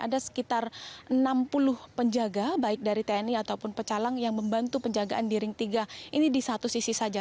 ada sekitar enam puluh penjaga baik dari tni ataupun pecalang yang membantu penjagaan di ring tiga ini di satu sisi saja